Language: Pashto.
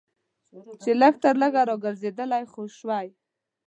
چې لږ تر لږه راګرځېدلی خو شوای.